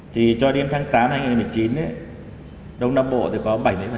thì cho đến tháng tám hai nghìn một mươi chín đông nam bộ thì có bảy mươi